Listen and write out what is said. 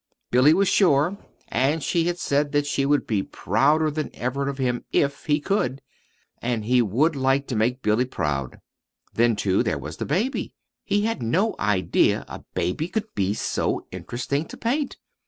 Billy was so sure, and she had said that she would be prouder than ever of him, if he could and he would like to make Billy proud! Then, too, there was the baby he had no idea a baby could be so interesting to paint.